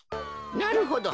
なるほど。